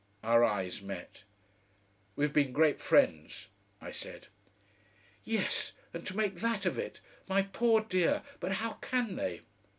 Our eyes met. "We've been great friends," I said. "Yes. And to make THAT of it. My poor dear! But how can they?"